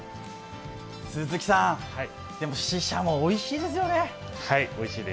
鈴木さん、でも、ししゃも、おいしいですよね。